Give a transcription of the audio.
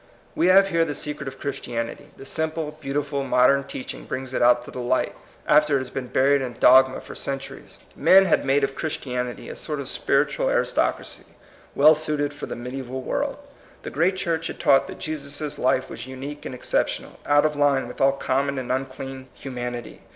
We have here the secret of Christian ity. The simple, beautiful modem teach ing brings it out to the light, after it has been buried in dogma for centuries. Men had made of Christianity a sort of spiritual aristocracy, well suited for the mediseval world. The great Church had taught that Jesus' life was unique and exceptional, out of line with all ^^ common and unclean" humanity.